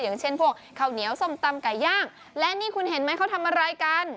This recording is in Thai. อย่างเช่นพวกข้าวเหนียวส้มตำไก่ย่างและนี่คุณเห็นไหมเขาทำอะไรกัน